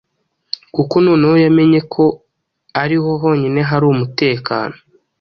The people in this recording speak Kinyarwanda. kuko noneho yamenye ko ariho honyine hari umutekano.